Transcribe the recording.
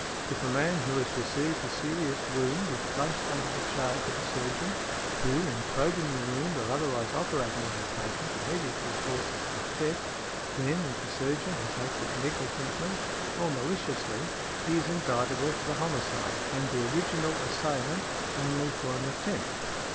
If a man who has received a serious wound is placed under the charge of a surgeon who, in probing the wound or otherwise operating on the patient, immediately causes his death; then, if the surgeon has acted negligently, or maliciously, he is indictable for the homicide, and the original assailant only for an attempt.